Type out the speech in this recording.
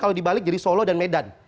kalau dibalik jadi solo dan medan